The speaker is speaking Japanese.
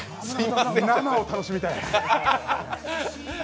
生を楽しみたい。